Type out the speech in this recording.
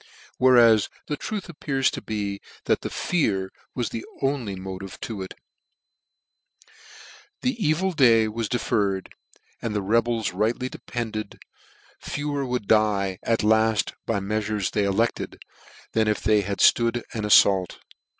Where as the truth appears to be, that tear was the only motive to it: the evil day was deferred : and the rebels rightly depended, fewer would die at lad by the meal'tirc's they elected, than if they had flood an aflault.